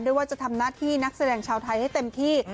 ว่าจะทำหน้าที่นักแสดงชาวไทยให้เต็มที่